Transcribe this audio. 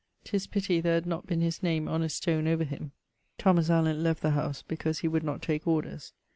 'Tis pitty there had not been his name on a stone over him. Thomas Allen ... left the house because he would not take orders.